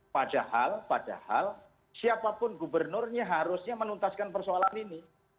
padahal padahal siapapun gubernurnya harusnya menuntaskan persoalan ini